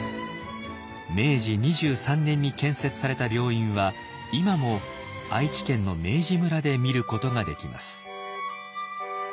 明治２３年に建設された病院は今も愛知県の明治村で見ることができます。